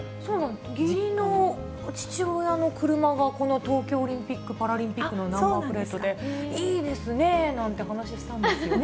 義理の父親の車がこの東京オリンピック・パラリンピックのナンバープレートで、いいですねぇなんて話したんですよ。